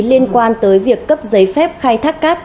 liên quan tới việc cấp giấy phép khai thác cát